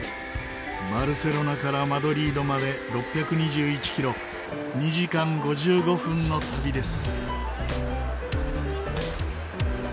バルセロナからマドリードまで６２１キロ２時間５５分の旅です。